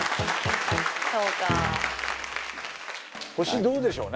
星どうでしょうね？